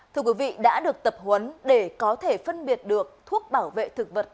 thưa quý vị đã được tập huấn để có thể phân biệt được thuốc bảo vệ thực vật